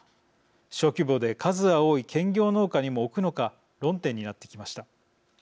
小規模で数は多い兼業農家にも置くのか論点になってきました。